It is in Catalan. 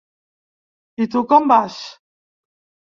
I tu com vas?